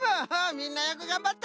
みんなよくがんばった！